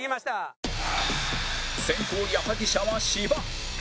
先攻矢作舎は芝